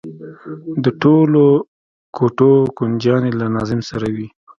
د ټولو کوټو کونجيانې له ناظم سره وي.